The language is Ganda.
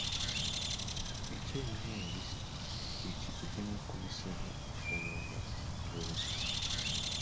Biki ebimu ku bisinga okusoomooza abalunzi?